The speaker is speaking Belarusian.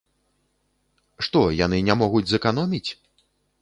Што, яны не могуць зэканоміць?